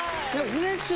フレッシュ。